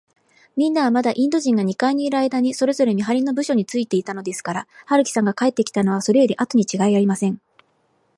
みんなは、まだインド人が二階にいるあいだに、それぞれ見はりの部署についたのですから、春木さんが帰ってきたのは、それよりあとにちがいありません。